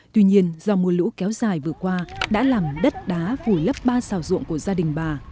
tuy nhiên do mùa lũ kéo dài vừa qua đã làm đất đá vùi lấp ba xào ruộng của gia đình bà